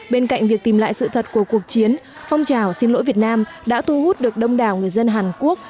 bên cạnh việc tìm lại sự thật của cuộc chiến phong trào xin lỗi việt nam đã thu hút được đông đảo người dân hàn quốc